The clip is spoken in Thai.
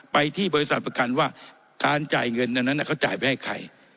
ไปที่บริษัทประกันว่าการจ่ายเงินดังนั้นเขาจ่ายไปให้ใคร